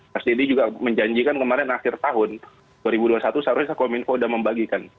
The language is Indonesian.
mas deddy juga menjanjikan kemarin akhir tahun dua ribu dua puluh satu seharusnya kominfo sudah membagikan